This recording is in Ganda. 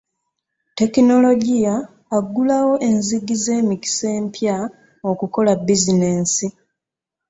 Tekinologiya aggulawo enzigi z'emikisa empya okukola bizinensi.